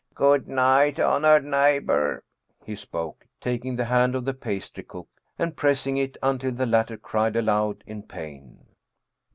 " Good night, honored neighbor," he spoke, taking the hand of the pastry cook and pressing it until the latter cried aloud in pain.